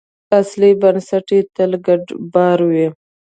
اصلي بنسټ یې تل ګډ باور وي.